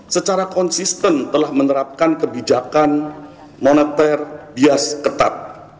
secara konsisten telah menerapkan kebijakan moneter bias ketat